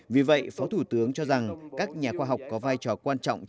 vì vậy phó thủ tướng cho rằng các nhà khoa học có vai trò quan trọng